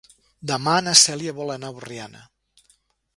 Demà na Cèlia vol anar a Borriana.